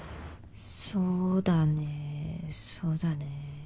そうだねそうだね。